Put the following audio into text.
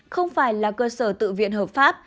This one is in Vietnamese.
không phải là cơ sở tự viện hợp pháp